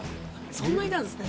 そんなになんですね。